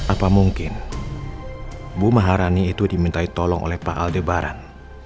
apa mungkin bu maharani itu dimintai tolong oleh pak aldebar